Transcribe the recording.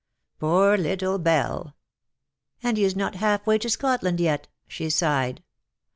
" Poor little Belle !" "And he is not half way to Scotland yet/' she sighed.